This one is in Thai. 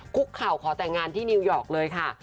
คุกเข่าขอแต่งงานที่นิวยอร์กเลยค่ะ